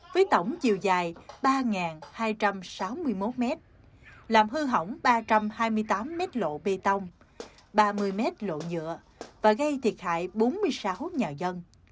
với tổng chiều dài ba hai trăm sáu mươi một m làm hư hỏng ba trăm hai mươi tám m lộ bê tông ba mươi m lộ nhựa và gây thiệt hại bốn mươi sáu nhà dân